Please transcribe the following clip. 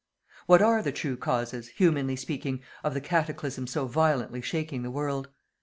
What are the true causes, humanly speaking, of the cataclysm so violently shaking the world?